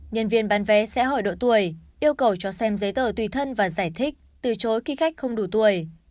nhân viên bán vé sẽ hỏi độ tuổi yêu cầu cho xem giấy tờ tùy thân và giải thích từ chối khi khách không đủ tuổi